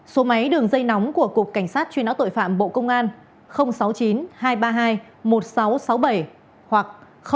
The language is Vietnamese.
số máy đường dây nóng của cục cảnh sát truy nã tội phạm bộ công an sáu mươi chín hai trăm ba mươi hai một nghìn sáu trăm sáu mươi bảy hoặc chín trăm bốn mươi sáu ba trăm một mươi bốn bốn trăm hai mươi chín